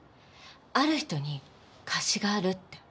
ある人に貸しがあるって。